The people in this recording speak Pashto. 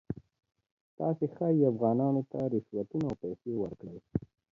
تاسې ښایي افغانانو ته رشوتونه او پیسې ورکړئ.